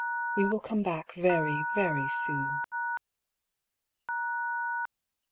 We will come back very, very soon